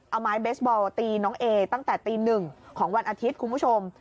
เอาไม้เบสบอลตีน้องเอตั้งแต่ตีหนึ่งของวันอาทิตย์คุณผู้ชม